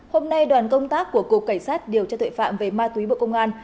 hôm nay đoàn công tác của cục cảnh sát điều tra tuệ phạm về ma túy bộ công an